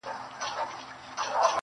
مينه مني ميني څه انكار نه كوي,